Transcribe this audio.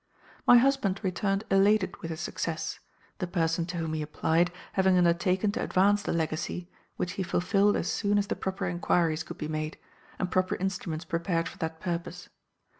"My husband returned elated with his success, the person to whom he applied having undertaken to advance the legacy, which he fulfilled as soon as the proper enquiries could be made, and proper instruments prepared for that purpose.